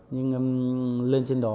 nhưng lên trên đó